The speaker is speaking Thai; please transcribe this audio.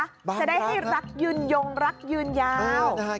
จะได้ให้รักยืนยงรักยืนยาว